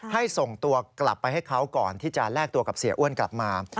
ส่งตัวกลับไปให้เขาก่อนที่จะแลกตัวกับเสียอ้วนกลับมา